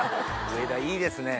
植田いいですね。